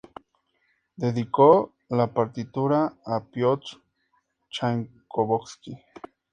Dedicó la partitura a Piotr Chaikovski.